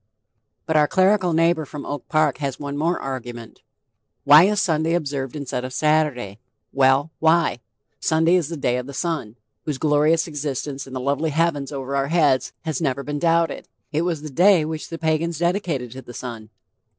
But our clerical neighbor from Oak Park has one more argument: "Why is Sunday observed instead of Saturday?" Well, why? Sun day is the day of the Sun, whose glorious existence in the lovely heavens over our heads has never been doubted; it was the day which the Pagans dedicated to the Sun.